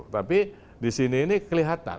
tapi disini ini kelihatan